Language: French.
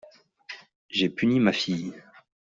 J'ai puni ma fille.